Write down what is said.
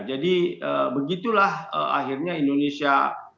jadi begitulah akhirnya indonesia